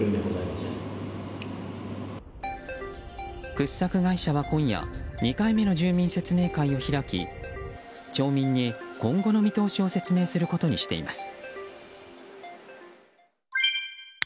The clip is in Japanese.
掘削会社は今夜２回目の住民説明会を開き町民に今後の見通しを説明することにしています。